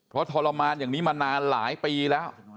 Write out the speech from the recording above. เพราะทรมานอย่างนี้มานานหลายปีแล้ว